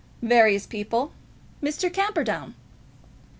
"Various people. Mr. Camperdown."